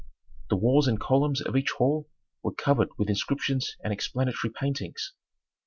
The walls and columns of each hall were covered with inscriptions and explanatory paintings.